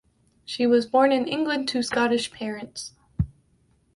She was born in England to Scottish parents.